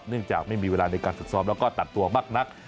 เนื่องจากไม่มีเวลาในการศึกษอบแล้วก็ตัดตัวมากนัก